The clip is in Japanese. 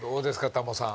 タモさん。